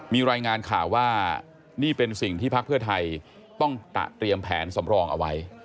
มีรายงานข่าวว่านี่เป็นสิ่งที่พักเพื่อไทยต้องเตรียมแผนสำรองเอาไว้